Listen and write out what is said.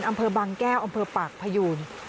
อำเภอบางแก้วอำเภอปากพยูน